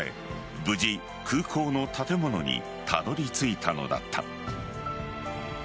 無事、空港の建物にたどり着いたのだった。